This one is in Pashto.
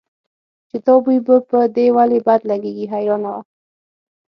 چې دا بوی به په دې ولې بد لګېږي حیرانه وه.